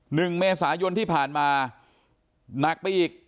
หนึ่งเมษายนที่ผ่านมาหนักไปอีก